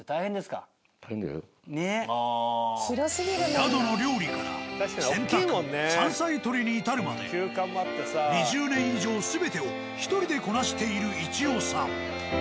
宿の料理から洗濯山菜採りに至るまで２０年以上全てを１人でこなしている一夫さん。